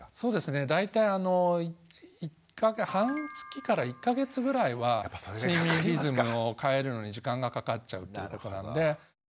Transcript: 大体あの半月から１か月ぐらいは睡眠リズムを変えるのに時間がかかっちゃうと。